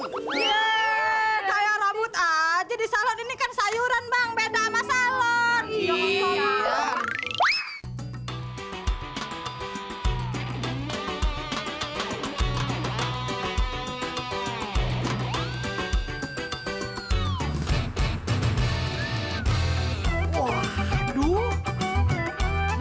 yeay kaya rambut aja di salon ini kan sayuran bang beda sama salon